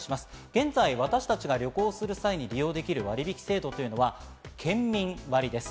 現在、私たちが旅行する際に利用できる割引制度というのは県民割です。